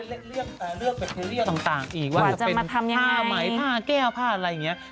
เรียกเป็นเรื่องต่างอีกว่าจะเป็นผ้าไหมผ้าแก้วผ้าอะไรอย่างนี้